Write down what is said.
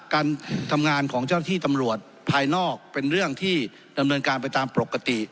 การทำงานของเจ้าหน้าที่ตำรวจภายนอกเป็นเรื่องที่ดำเนินการไปตามปกติ